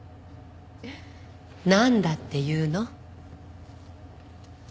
なんだっていうの？